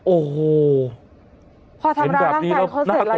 โอ้โหพอทำร้ายครั้งแรกเขาเสร็จแล้วด้วยไง